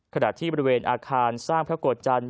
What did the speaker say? ขณะที่บริเวณอาคารสร้างพระโกรธจันทร์